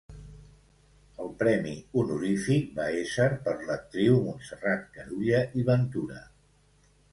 El premi honorífic va ésser per l'actriu Montserrat Carulla i Ventura.